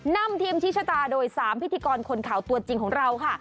นำทีมชี้ชะตาโดย๓พิธีกรคนข่าวตัวจริงของเราค่ะ